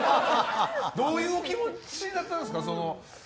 どういう気持ちだったんですか。